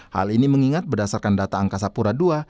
hal ini mengingat berdasarkan data angkasa pura ii